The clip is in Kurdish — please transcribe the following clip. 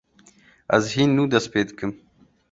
Ez hîn nû dest pê dikim.